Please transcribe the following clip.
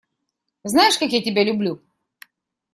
Знаешь, как я тебя люблю!